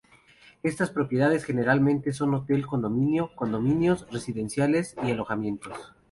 Estas propiedades generalmente son hotel condominio condominios residenciales y alojamientos.